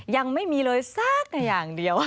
ยังไม่มีเลยสักอย่างเดียว